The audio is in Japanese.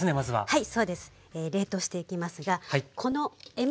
はい。